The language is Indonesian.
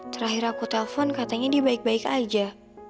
terakhir aku telpon katanya dia baik baik aja